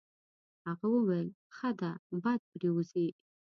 هغه وویل: ښه ده باد پرې وځي.